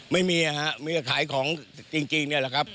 ไม่มีฮะมีแต่ขายของจริงเนี่ยแหละครับ